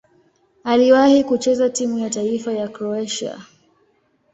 Aliwahi kucheza timu ya taifa ya Kroatia.